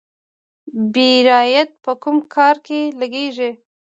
بیرایت په کوم کار کې لګیږي؟